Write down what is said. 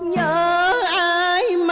nhớ ai mà